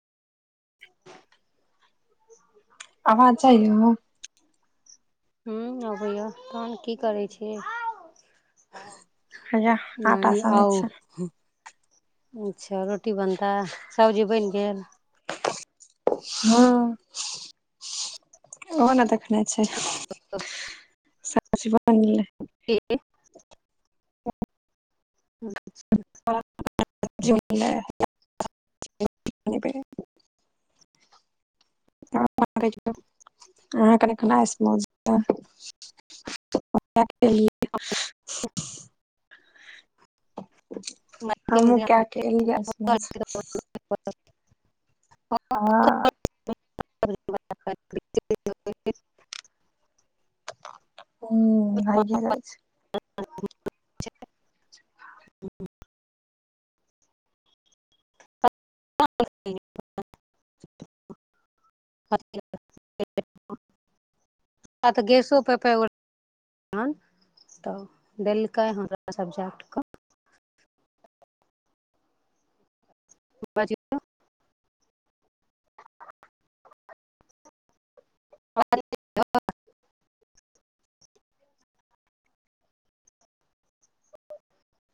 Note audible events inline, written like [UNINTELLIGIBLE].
त आवाज पक जाइय ल [UNINTELLIGIBLE] ह अबैए तहन की करै छी हैया आटा नानी सनै आउ छै अच्छा रोटी बनता सब्जी बनि गेल हँ ओहो ने देखने छै सबजी बनिगेलै के अच्छा ठीक सब जग बनिगेलै [UNINTELLIGIBLE] अहाँ कनि केना लियए हमहुँ क्य खलिय [UNINTELLIGIBLE] [UNINTELLIGIBLE] आ हू भाये रहै छै [UNINTELLIGIBLE] [UNINTELLIGIBLE] [UNINTELLIGIBLE] आ त गैसो पेप तऽ देलकै हमरा सब्जेक्ट क बी आ [UNINTELLIGIBLE]